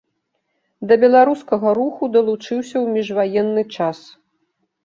Да беларускага руху далучыўся ў міжваенны час.